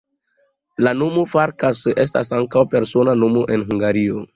La nomo Farkas estas ankaŭ persona nomo en Hungario.